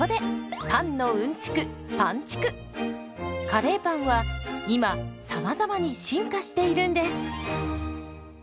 カレーパンは今さまざまに進化しているんです。